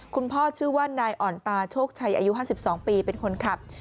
ชื่อว่านายอ่อนตาโชคชัยอายุ๕๒ปีเป็นคนขับ